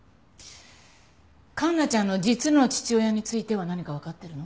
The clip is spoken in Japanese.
環奈ちゃんの実の父親については何かわかってるの？